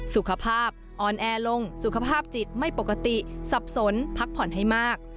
สุขภาพอ่อนแอลงสุขภาพจิตไม่ปกติสับสนพักผ่อนให้มาก